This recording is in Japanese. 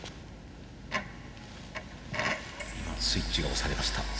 今スイッチが押されました。